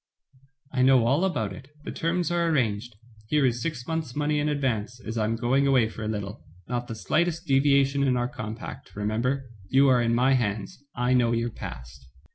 "I know all about it, the terms are arranged. Here is six months* money in advance, as I am going away for a little. Not the slightest devia tion in our compact, remember. You are in my hands, I know your past."